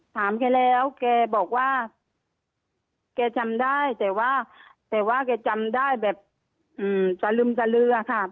ถามแกแล้วแกบอกว่าแกจำได้แต่ว่าแต่ว่าแกจำได้แบบสลึมสลือค่ะ